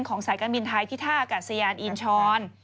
ของสายการบินไทยที่ท่ากับสยานอีนชอน